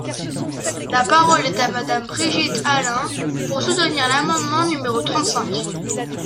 La parole est à Madame Brigitte Allain, pour soutenir l’amendement numéro trente-cinq.